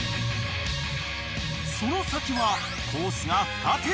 ［その先はコースが二手に］